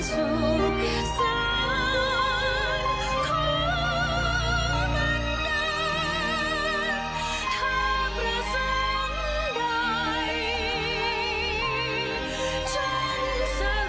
ฉันเสร็จดำความวันหารไทย